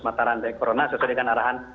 mataran dari corona sesuai dengan arahan